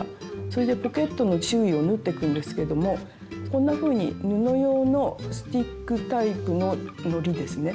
それでポケットの周囲を縫っていくんですけどもこんなふうに布用のスティックタイプののりですね。